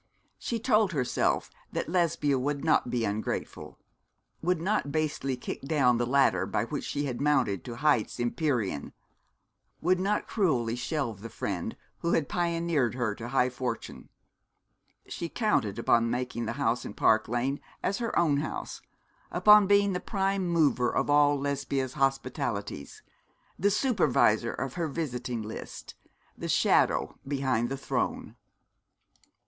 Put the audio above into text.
She told herself that Lesbia would not be ungrateful, would not basely kick down the ladder by which she had mounted to heights empyrean, would not cruelly shelve the friend who had pioneered her to high fortune. She counted upon making the house in Park Lane as her own house, upon being the prime mover of all Lesbia's hospitalities, the supervisor of her visiting list, the shadow behind the throne.